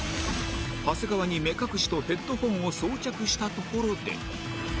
長谷川に目隠しとヘッドフォンを装着したところで